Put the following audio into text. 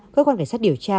cơ quan cảnh sát điều tra